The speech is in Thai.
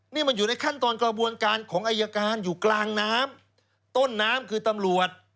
นี่มันอยู่ในขั้นตอนกระบวนการของอายการอยู่กลางน้ำต้นน้ำคือตำรวจ